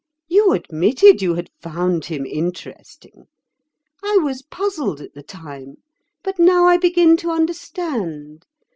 You admitted you had found him interesting. I was puzzled at the time, but now I begin to understand.